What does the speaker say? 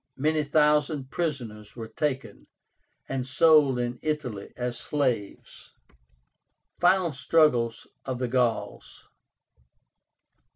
Many thousand prisoners were taken, and sold in Italy as slaves. FINAL STRUGGLES OF THE GAULS.